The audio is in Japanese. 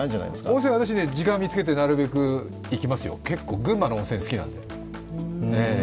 温泉、私、時間を見つけてなるべく行きますよ、結構、群馬の温泉好きなんで。